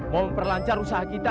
mau memperlancar usaha kita